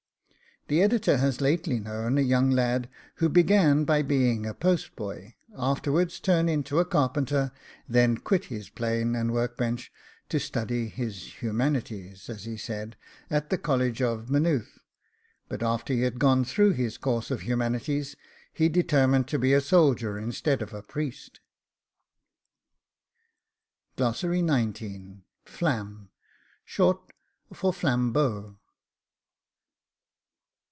The Editor has lately known a young lad, who began by being a post boy, afterwards turn into a carpenter, then quit his plane and work bench to study his HUMANITIES, as he said, at the college of Maynooth; but after he had gone through his course of Humanities, he determined to be a soldier instead of a priest. FLAM. Short for flambeau.